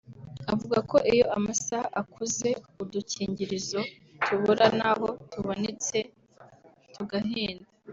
avuga ko iyo amasaha akuze udukingirizo tubura naho tubonetse tugahenda